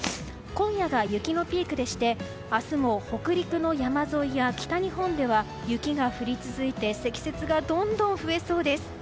今夜が雪のピークでして明日も北陸の山沿いや北日本では、雪が降り続いて積雪がどんどん増えそうです。